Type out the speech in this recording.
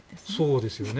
そうですよね。